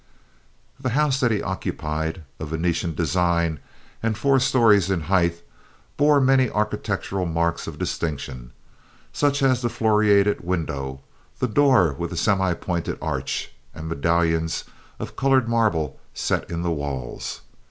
The house that he occupied, of Venetian design, and four stories in height, bore many architectural marks of distinction, such as the floriated window, the door with the semipointed arch, and medallions of colored marble set in the walls.